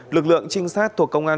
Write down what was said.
lực lượng trinh sát thuộc công an